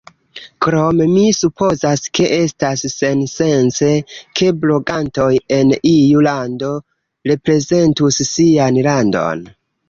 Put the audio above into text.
Krome, mi supozas ke estas sensence ke blogantoj en iu lando reprezentus sian landon.